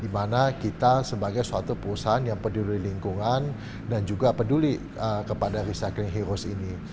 dimana kita sebagai suatu perusahaan yang peduli lingkungan dan juga peduli kepada recycling heroes ini